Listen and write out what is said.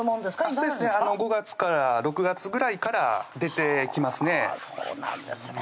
そうですね５月から６月ぐらいから出てきますねそうなんですね